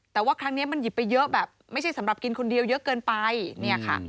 แต่ว่าครั้งนี้มันหยิบไปเยอะแบบไม่ใช่สำหรับกินคนเดียวเยอะเกินไปเนี่ยค่ะ